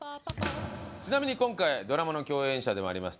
ちなみに今回ドラマの共演者でもあります